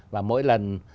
và mỗi lần